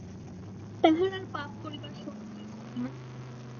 তাহার আর পাপ করিবার শক্তিই থাকে না।